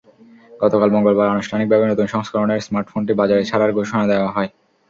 গতকাল মঙ্গলবার আনুষ্ঠানিকভাবে নতুন সংস্করণের স্মার্টফোনটি বাজারে ছাড়ার ঘোষণা দেওয়া হয়।